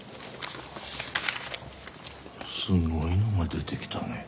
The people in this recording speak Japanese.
すごいのが出てきたねぇ。